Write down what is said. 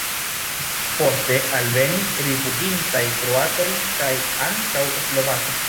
Poste alvenis rifuĝintaj kroatoj kaj ankaŭ slovakoj.